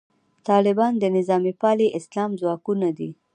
طالبان د نظامي پالي اسلام ځواکونه دي.